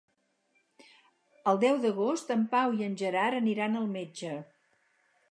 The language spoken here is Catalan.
El deu d'agost en Pau i en Gerard aniran al metge.